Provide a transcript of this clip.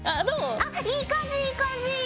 あっいい感じいい感じ！